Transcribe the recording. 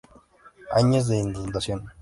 Años de Inundación